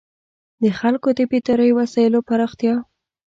د خلکو د بېدارۍ وسایلو پراختیا.